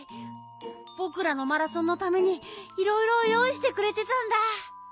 ぼくらのマラソンのためにいろいろよういしてくれてたんだ！